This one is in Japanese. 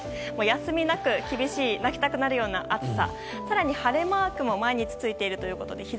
休みなく厳しい泣きたくなるような暑さ。